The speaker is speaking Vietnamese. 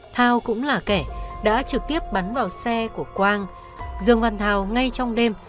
thao cũng là đối tượng trực tiếp mang súng đến chuẩn bị thêm một khẩu súng cho một đối tượng khác trong nhóm